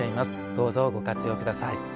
どうぞご活用下さい。